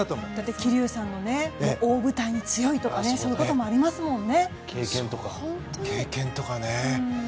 桐生さんも大舞台に強いとかそういうこともありますもんね。